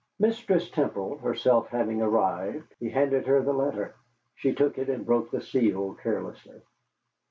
Mistress Temple herself having arrived, he handed her the letter. She took it, and broke the seal carelessly.